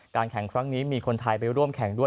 แข่งครั้งนี้มีคนไทยไปร่วมแข่งด้วย